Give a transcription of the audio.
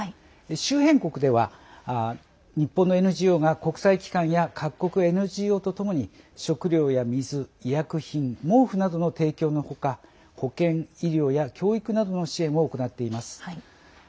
周辺国では、日本のＮＧＯが国際機関や各国ＮＧＯとともに食料や水、医薬品毛布などの提供のほか保健、医療や教育などの支援を行っています。